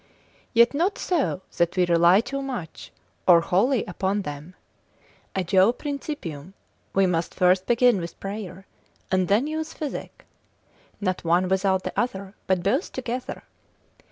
Yet not so that we rely too much, or wholly upon them: a Jove principium, we must first begin with prayer, and then use physic; not one without the other, but both together.